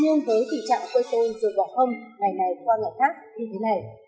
nhưng với tình trạng quê tôn rồi bỏ không ngày này qua ngày khác như thế này